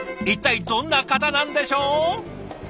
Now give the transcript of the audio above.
一体どんな方なんでしょう？